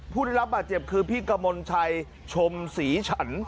ผู้ได้รับบาดเจ็บคือพี่กมลชัยชมศรีฉัน